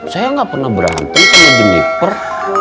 saya gak pernah berantem sama jeniper